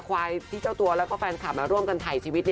ควายที่เจ้าตัวแล้วก็แฟนคลับมาร่วมกันถ่ายชีวิต